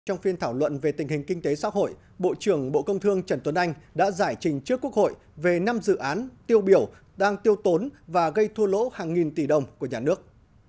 trong phiên thảo luận về tình hình kinh tế xã hội bộ trưởng bộ công thương trần tuấn anh đã giải trình trước quốc hội về năm dự án tiêu biểu đang tiêu tốn và gây thua lỗ hàng nghìn tỷ đồng của nhà nước